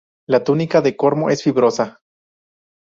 La túnica del cormo es fibrosa.